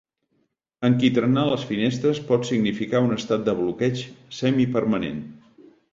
Enquitranar les finestres pot significar un estat de bloqueig semipermanent.